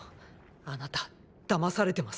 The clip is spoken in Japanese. あなた騙されてます。